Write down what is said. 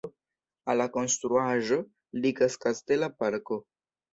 Al la konstruaĵo ligas kastela parko.